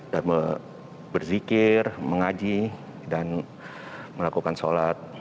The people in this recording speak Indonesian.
dan berzikir mengaji dan melakukan sholat